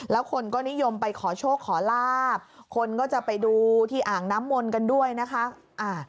แล้วคนก็นิยมไปขอโชคขอลาบคนก็จะไปดูที่อ่างน้ำมนต์กันด้วยนะคะ